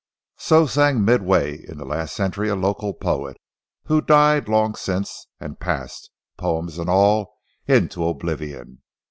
So sang midway in the last century a local poet, who died long since and passed, poems and all, into oblivion.